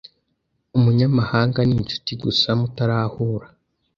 Umunyamahanga ni inshuti gusa mutarahura.